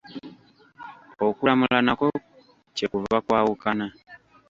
Okulamula nakwo kye kuva kwawukana.